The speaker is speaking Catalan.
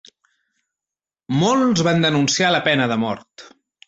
Molts van denunciar la pena de mort.